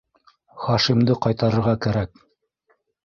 Хашимды ҡайтарырға кәрәк.